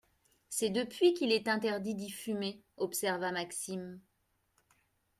C’est depuis qu’il est interdit d’y fumer, observa Maxime.